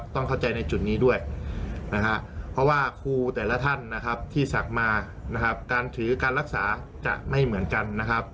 ต้องเข้าใจในจุดนี้ด้วยเพราะว่าครูแต่ละท่านที่ศักดิ์มาการถือการรักษาจะไม่เหมือนกัน